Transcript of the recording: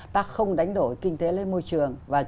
ta không đánh đổi kinh tế lên môi trường